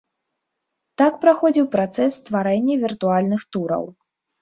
Так праходзіў працэс стварэння віртуальных тураў.